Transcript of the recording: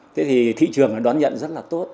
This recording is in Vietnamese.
thế thì thị trường đón nhận rất là tốt